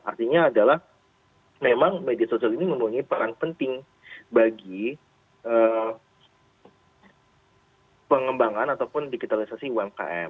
artinya adalah memang media sosial ini memenuhi peran penting bagi pengembangan ataupun digitalisasi umkm